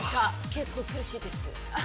結構苦しいです。